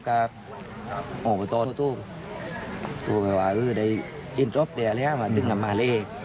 ก็อบตโจทย์โจทย์ไปบอกว่าได้นับได้ไระว่าตืำกับมาเล่น